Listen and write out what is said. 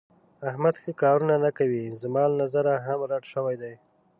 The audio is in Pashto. احمد ښه کارونه نه کوي. زما له نظره هم رټ شوی دی.